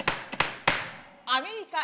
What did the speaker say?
アメリカ